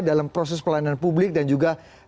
dalam proses pelayanan publik dan juga